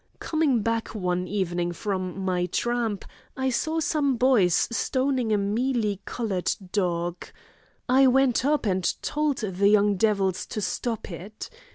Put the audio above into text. Coming back one evening from my tramp, I saw some boys stoning a mealy coloured dog. I went up and told the young devils to stop it.